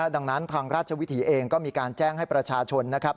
ดังนั้นทางราชวิถีเองก็มีการแจ้งให้ประชาชนนะครับ